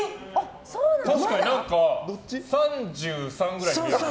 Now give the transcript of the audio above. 確かに３３ぐらいに見える。